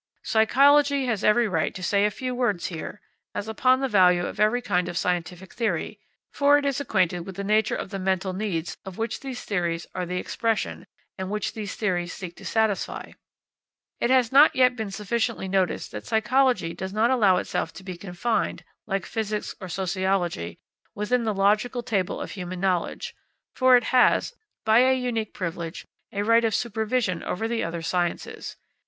Psychology has every right to say a few words here, as upon the value of every kind of scientific theory; for it is acquainted with the nature of the mental needs of which these theories are the expression and which these theories seek to satisfy. It has not yet been sufficiently noticed that psychology does not allow itself to be confined, like physics or sociology, within the logical table of human knowledge, for it has, by a unique privilege, a right of supervision over the other sciences.